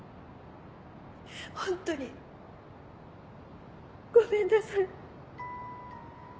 ホントにごめんなさい。